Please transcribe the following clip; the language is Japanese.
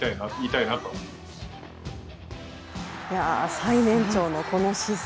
最年長のこの姿勢。